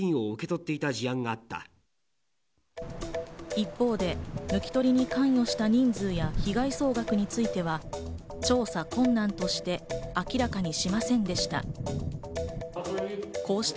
一方で抜き取りに関与した人数や被害総額については、調査困難として明らかにしませんでした。